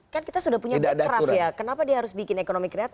kan kita sudah punya backcraft ya kenapa dia harus bikin ekonomi kreatif